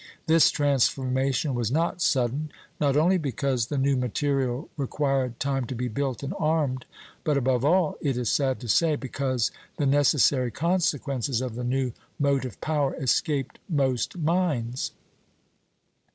This transformation was not sudden, not only because the new material required time to be built and armed, but above all, it is sad to say, because the necessary consequences of the new motive power escaped most minds."